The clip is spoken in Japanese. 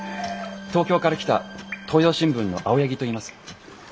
東京から来た東洋新聞の青柳といいます。